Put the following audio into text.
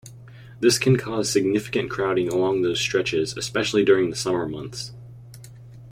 This can cause significant crowding along those stretches, especially during the summer months.